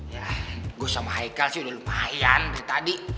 ya gue sama haikal sih udah lumayan dari tadi